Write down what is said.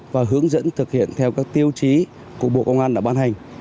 và hướng dẫn thực hiện theo các tiêu chí của bộ công an đã bán hành